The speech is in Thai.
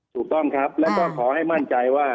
ถูกต้องครับแล้วก็ขอให้มั่นใจว่า